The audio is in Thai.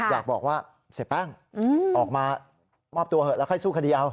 อยากบอกว่าเสียแป้งออกมามอบตัวเถอะแล้วค่อยสู้คดีเอา